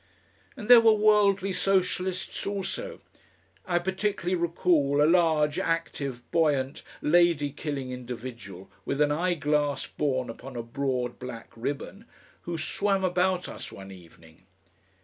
And there were worldly Socialists also. I particularly recall a large, active, buoyant, lady killing individual with an eyeglass borne upon a broad black ribbon, who swam about us one evening.